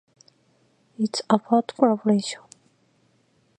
It's about collaboration.